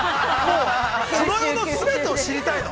この世の全てを知りたいの？